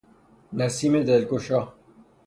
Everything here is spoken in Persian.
نسیم دلگشا